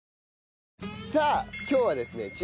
さあ今日はですね